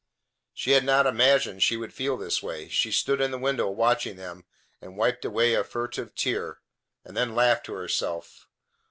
She had not imagined she would feel this way. She stood in the window watching them, and wiped away a furtive tear, and then laughed to herself.